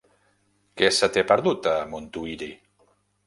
Què se t'hi ha perdut, a Montuïri?